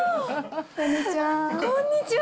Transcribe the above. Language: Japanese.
こんにちは。